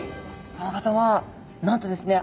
この方はなんとですね